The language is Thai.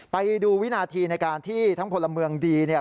ไปดูวินาทีในการที่ทั้งพลเมืองดีเนี่ย